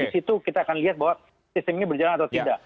di situ kita akan lihat bahwa sistem ini berjalan atau tidak